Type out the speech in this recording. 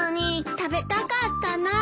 食べたかったな。